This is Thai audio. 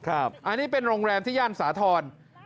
อันนี้เป็นโรงแรมที่ย่านสาธรณ์